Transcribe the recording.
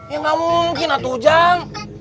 ya gak mungkin atu jang